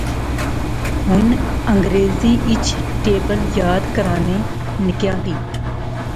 ہن انگریزی اچ ٹیبل یاد کرانے نکیاں کی